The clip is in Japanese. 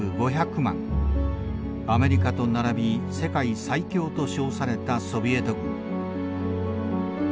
アメリカと並び世界最強と称されたソビエト軍。